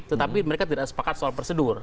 tetapi mereka tidak sepakat soal prosedur